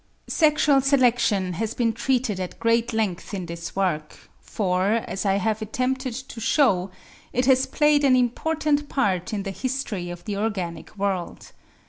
Sexual selection has been treated at great length in this work; for, as I have attempted to shew, it has played an important part in the history of the organic world.